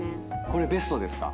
これベストですか？